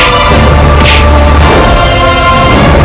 aku akan menang